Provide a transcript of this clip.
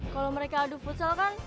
kalau mereka adu futsal kan